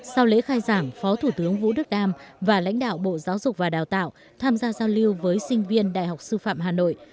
sau lễ khai giảng phó thủ tướng vũ đức đam và lãnh đạo bộ giáo dục và đào tạo tham gia giao lưu với sinh viên đại học sư phạm hà nội